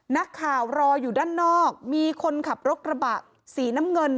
นักข่าวรออยู่ด้านนอกมีคนขับรถกระบะสีน้ำเงิน